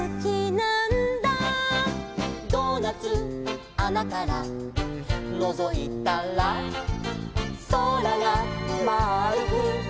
「ドーナツあなからのぞいたら」「そらがまあるくみえるんだ」